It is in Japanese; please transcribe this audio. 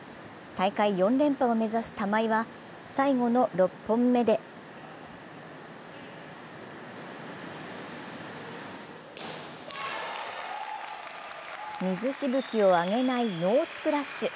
大会４連覇を目指す玉井は最後の６本目で水しぶきを上げないノースプラッシュ。